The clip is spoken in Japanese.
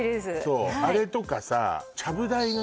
あれとかさ